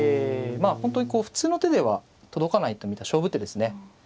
本当に普通の手では届かないと見た勝負手ですね。